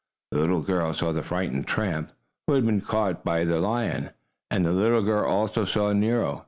The little girl saw the frightened tramp, who had been caught by the lion, and the little girl also saw Nero.